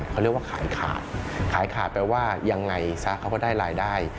เขาเรียกว่าขายขาดขายขาดแปลว่ายังไงซะเขาก็ได้รายได้